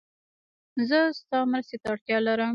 زه ستا مرستې ته اړتیا لرم